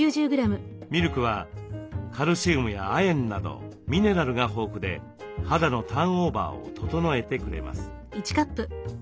ミルクはカルシウムや亜鉛などミネラルが豊富で肌のターンオーバーを整えてくれます。